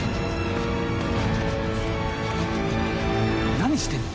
何してんの？